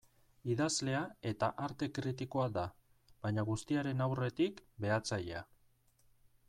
Idazlea eta arte kritikoa da, baina guztiaren aurretik, behatzailea.